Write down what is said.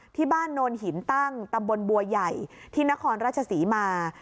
โนนหินตั้งตำบลบัวใหญ่ที่นครราชศรีมา